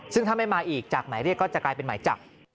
ซึ่งถ้าไม่มาอีกจากหมายเรียกก็จะกลายเป็นหมายจับ